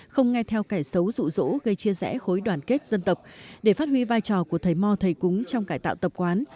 không nghe theo cải xấu rụ rỗ gây chia rẽ khối đoàn kết dân tộc để phát huy vai trò của thầy mò thầy cúng trong cải tạo tập quán